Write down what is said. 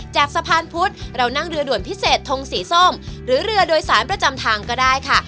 จากสะพานพุทธเรานั่งเรือด่วนพิเศษทงสีส้มหรือเรือโดยสารประจำทางก็ได้ค่ะ